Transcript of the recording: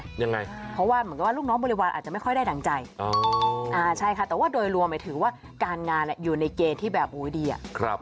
ยังไงเพราะว่าเหมือนกันว่าลูกน้องบริวารอาจจะไม่ค่อยได้ดังใจอ๋อใช่ค่ะแต่ว่าโดยรวมถือว่าการงานเนี่ยอยู่ในเกณฑ์ที่แบบโอ้โหดีอ่ะ